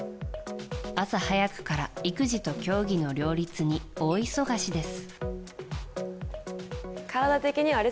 朝早くから育児と競技の両立に大忙しです。